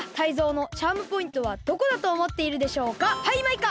はいマイカ。